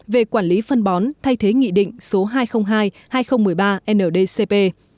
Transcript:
về quản lý phân bón thay thế nghị định số hai trăm linh hai hai nghìn một mươi ba ndcp